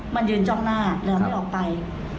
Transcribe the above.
มันยืนจ้องหน้าแล้วไม่ออกไป